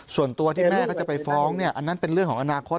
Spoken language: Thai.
ส่วนตัวที่แม่เขาจะไปฟ้องเนี่ยอันนั้นเป็นเรื่องของอนาคต